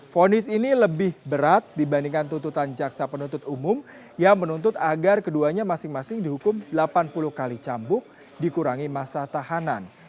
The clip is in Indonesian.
fonis ini lebih berat dibandingkan tututan jaksa penuntut umum yang menuntut agar keduanya masing masing dihukum delapan puluh kali cambuk dikurangi masa tahanan